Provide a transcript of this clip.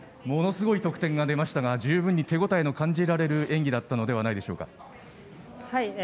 ものすごい得点が出ましたが十分に手応えの感じられる演技だったのではないでしょうか？